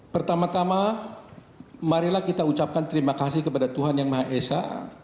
pertama tama marilah kita ucapkan terima kasih kepada tuhan yang maha esa